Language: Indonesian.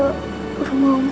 kebijakan untuk memohon bangsa